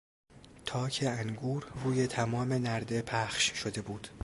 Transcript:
تاک انگور روی تمام نرده پخش شده بود.